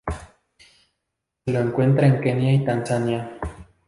Se lo encuentra en Kenia y Tanzania.